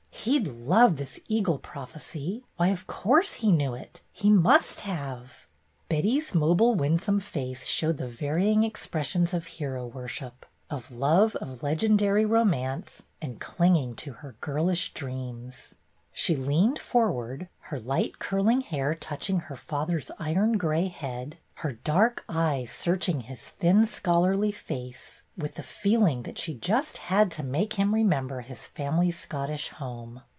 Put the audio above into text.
He'd love this eagle prophecy. Why, of course he knew it ! He must have !" Betty's mobile, winsome face showed the varying expressions of hero worship, of love of legendary romance, and clinging to her girlish dreams. She leaned forward, her light curling hair touching her father's iron gray head, her dark eyes searching his thin scholarly face with the feeling that she just had to make him remember his family's Scottish home.